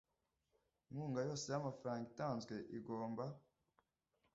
inkunga yose y amafaranga itanzwe igomba